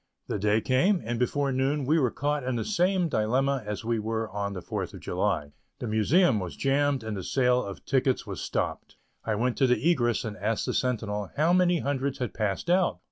The day came, and before noon we were caught in the same dilemma as we were on the Fourth of July; the Museum was jammed and the sale of tickets was stopped. I went to the egress and asked the sentinel how many hundreds had passed out?